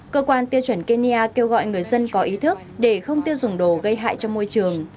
cơ quan tiêu chuẩn kenya kêu gọi người dân có ý thức để không tiêu dùng đồ gây hại cho môi trường